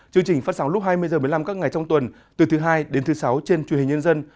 chương trình phát sóng lúc hai mươi h một mươi năm các ngày trong tuần từ thứ hai đến thứ sáu trên truyền hình nhân dân